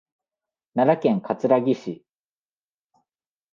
奈良県葛城市